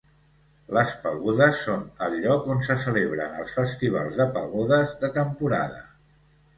Les pagodes són el lloc on se celebren els festivals de pagodes de temporada.